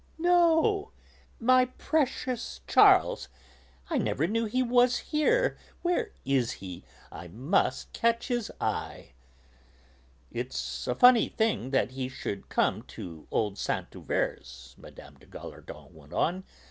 "No! my precious Charles! I never knew he was here. Where is he? I must catch his eye." "It's a funny thing that he should come to old Saint Euverte's," Mme. de Gallardon went on.